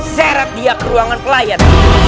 seret dia ke ruangan pelayat